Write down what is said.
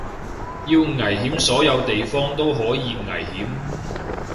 要危險所有地方都可以危險